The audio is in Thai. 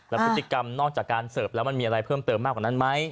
แล้วพฤติกรรมนอกจากการเสิร์ฟแล้วมันมีอะไรเพิ่มเติมมากกว่านั้นไหม